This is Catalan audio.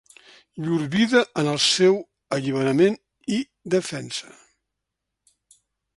Llur vida en el seu alliberament i defensa.